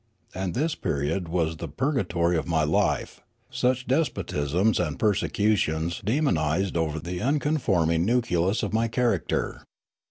And this period was the purg atory of my life, such despotisms and persecutions demonised over the unconforming nucleus of my char acter.